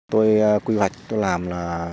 tôi quy hoạch tôi làm là